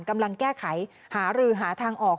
กำลังแก้ไขหารือหาทางออก